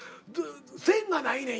線がないねん